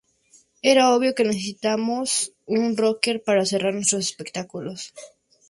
Era obvio que necesitamos un rocker para cerrar nuestros espectáculos.